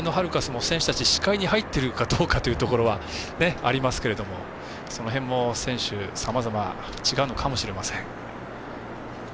このあべのハルカスも選手たちの視界に入ってるかどうかというのはありますけれどもその辺も、選手さまざま、違うのかもしれません。